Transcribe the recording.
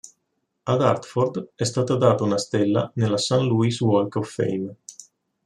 Ad Hartford è stata data una stella nella St. Louis Walk of Fame.